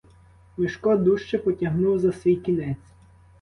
Мишко дужче потягнув за свій кінець.